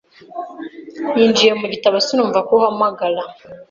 Ninjiye mu gitabo sinumva ko uhamagara.